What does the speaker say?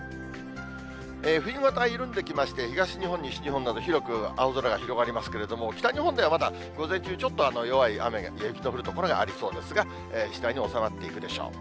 冬型緩んできまして、東日本、西日本など広く青空が広がりますけれども、北日本ではまだ午前中、ちょっと弱い雨や雪の降る所がありそうですが、次第に収まっていくでしょう。